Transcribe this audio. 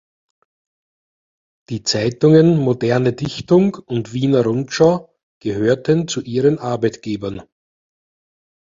Die Zeitungen "Moderne Dichtung" und "Wiener Rundschau" gehörten zu ihren Arbeitgebern.